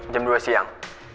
jam dua siang